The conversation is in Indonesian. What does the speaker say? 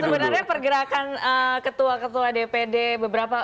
jadi memang sebenarnya pergerakan ketua ketua dpd beberapa